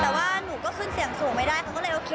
แต่ว่าหนูก็ขึ้นเสียงสูงไม่ได้เขาก็เลยโอเค